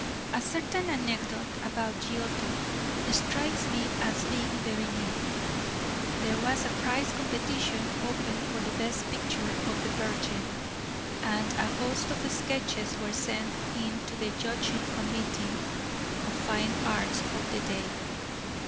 A certain anecdote about Giotto strikes me as being very neat. There was a prize competition opened for the best picture of the Virgin, and a host of sketches were sent in to the judging committee of fine arts of the day.